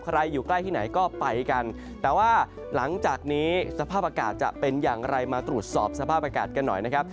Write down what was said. อยู่ใกล้ที่ไหนก็ไปกันแต่ว่าหลังจากนี้สภาพอากาศจะเป็นอย่างไรมาตรวจสอบสภาพอากาศกันหน่อยนะครับ